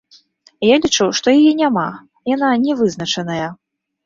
Я лічу, што яе няма, яна не вызначаная.